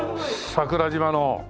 桜島の。